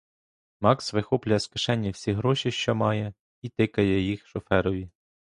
Макс вихоплює з кишені всі гроші, що має, і тикає їх шоферові.